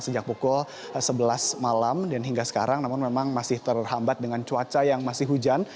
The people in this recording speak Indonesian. sejak pukul sebelas malam dan hingga sekarang namun memang masih terhambat dengan cuaca yang masih hujan